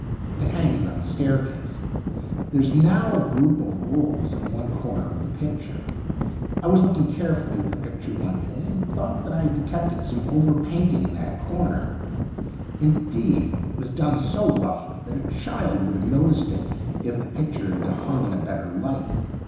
It hangs on the staircase. There's now a group of wolves in one corner of the picture. I was looking carefully at the picture one day and thought that I detected some over painting in that corner ; indeed, it was done so roughly that a child would have noticed it if the picture had been hung in a better light.